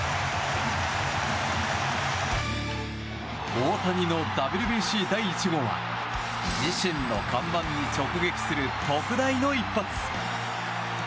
大谷のＷＢＣ第１号は自身の看板に直撃する特大の一発。